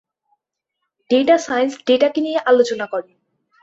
Data science ডেটাকে নিয়ে আলোচনা করে।